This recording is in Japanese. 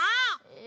え